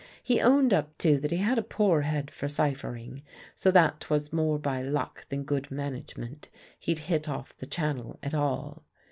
He owned up, too, that he had a poor head for ciphering, so that 'twas more by luck than good management he'd hit off the Channel at all.